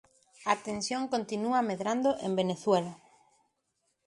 A tensión continúa medrando en Venezuela.